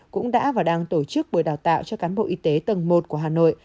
cũng đã và đang tổ chức buổi đào tạo cho cán bộ y tế tầng một của hà nội